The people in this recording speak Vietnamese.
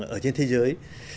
ở trên thế giới